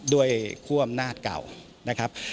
ด้วยความนาฏเก่านะครับ